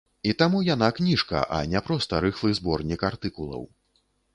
І таму яна кніжка, а не проста рыхлы зборнік артыкулаў.